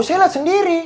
saya liat sendiri